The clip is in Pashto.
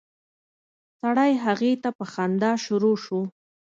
سړی هغې ته په خندا شروع شو.